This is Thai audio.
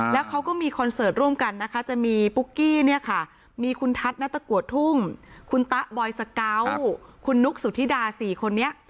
แล้วเขาก็มีคอนเสิร์ตร่วมกันนะคะจะมีปุ๊กกี้เนี่ยค่ะมีคุณทัศน์ณตะกัวทุ่งคุณตะบอยสเกาะคุณนุ๊กสุธิดา๔คนนี้